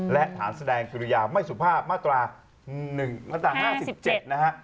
และฐานแสดงกิริยาไม่สุภาพมาตรา๑มาตรา๕๗นะฮะ